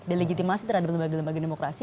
delegitimasi terhadap bagian bagian demokrasi